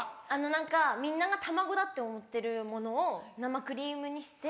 何かみんなが卵だって思ってるものを生クリームにして。